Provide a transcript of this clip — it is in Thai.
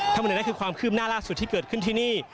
ทางกลุ่มนั้นคือความคืบน่ารักสุดที่เกิดขึ้นที่นี่